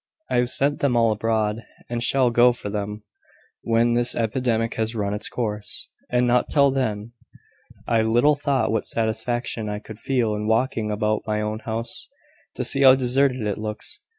I have sent them all abroad, and shall go for them when this epidemic has run its course; and not till then. I little thought what satisfaction I could feel in walking about my own house, to see how deserted it looks.